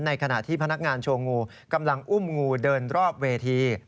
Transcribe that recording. ขณะที่พนักงานโชว์งูกำลังอุ้มงูเดินรอบเวที